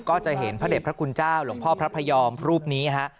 ก็จะเห็นพระเด็จพระคุณเจ้าหลวงพ่อพระพยอมรูปนี้ฮะ